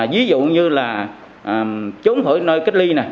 ví dụ như là chốn hỏi nơi kết ly